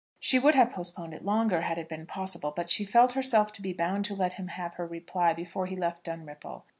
She would have postponed it longer had it been possible; but she felt herself to be bound to let him have her reply before he left Dunripple.